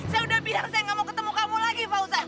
saya udah bilang saya nggak mau ketemu kamu lagi fausa